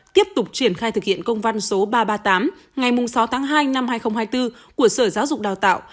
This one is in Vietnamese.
tiếp tục triển khai thực hiện công văn số ba trăm ba mươi tám ngày sáu tháng hai năm hai nghìn hai mươi bốn của sở giáo dục đào tạo